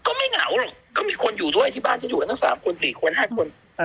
ก็ไม่เงาหรอกก็มีคนอยู่ด้วยที่บ้านจะอยู่ตั้งสามคนสี่คนห้าคน